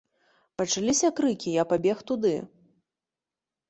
Пачаліся крыкі, я пабег туды.